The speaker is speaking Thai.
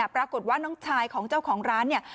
ปรากฏว่าน้องชายของเจ้าของร้านเนี่ย